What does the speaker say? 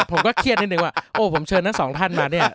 ผมก็เครียดนิดนึงว่าโอ้ผมเชิญทั้งสองท่านมาเนี่ย